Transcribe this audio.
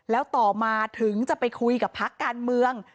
แล้วต่อมาถึงจะไปคุยกับพักการเมือง